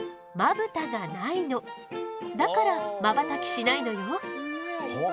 だからまばたきしないのよ。